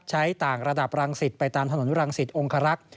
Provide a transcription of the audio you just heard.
ต่างระดับรังสิตไปตามถนนรังสิตองคารักษ์